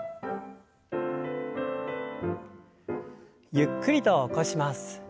ゆっくりと起こします。